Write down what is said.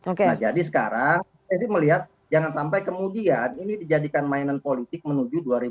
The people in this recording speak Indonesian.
nah jadi sekarang saya sih melihat jangan sampai kemudian ini dijadikan mainan politik menuju dua ribu dua puluh